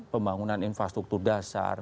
dengan pembangunan infrastruktur dasar